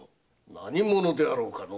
何者であろうかの？